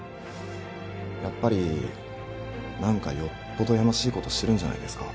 やっぱり何かよっぽどやましいことしてるんじゃないですか？